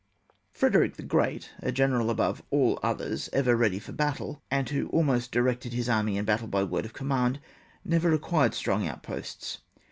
Frederick the Great, a general above all others ever ready for battle, and who almost directed his army in battle by word of command, never required strong outposts.